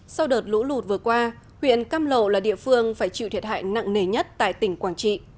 sau đợt lũ lụt vừa qua huyện cam lộ là địa phương phải chịu thiệt hại nặng nề nhất tại tỉnh quảng trị